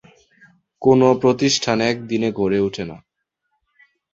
কোন প্রতিষ্ঠান একদিনে গড়ে উঠে না।